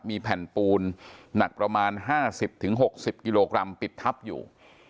มีแผ่นปูนหนักประมาณ๕๐๖๐กิโลกรัมปิดทับอยู่